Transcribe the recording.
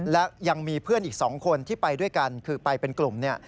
และยังมีเพื่อนอีก๒คนที่ไปด้วยกันคือไปเป็นกลุ่มเนี่ย